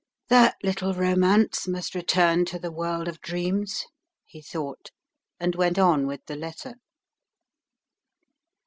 "That little romance must return to the world of dreams," he thought, and went on with the letter.